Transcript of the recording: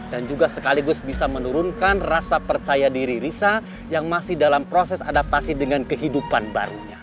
dan juga sekaligus bisa menurunkan rasa percaya diri risa yang masih dalam proses adaptasi dengan kehidupan barunya